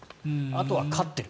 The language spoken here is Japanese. あとは勝っている。